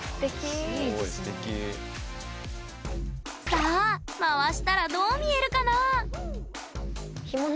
さあ回したらどう見えるかな？ね。